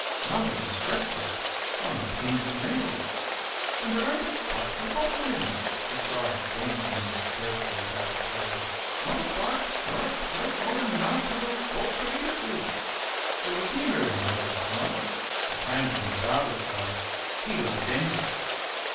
Mother was restless "on pins and needles." "And there ain't a bite to offer him," she cried, dancing hysterically about the table "not a bite; nor a plate, nor a knife, nor a fork to eat it with!" There was humour in Mother at times. It came from the father's side. He was a dentist.